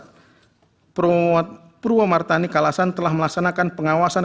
dua bahwa panwas kecamatan kelurahan atau desa purwomartani kalasan telah melaksanakan pengawasan